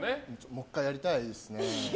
もう１回やりたいですね。